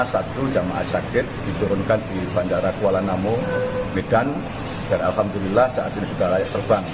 satu jamaah sakit diturunkan di bandara kuala namu medan dan alhamdulillah saat ini sudah layak terbang